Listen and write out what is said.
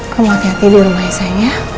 kamu hati hati di rumah ya sayang ya